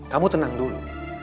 kamu tenang dulu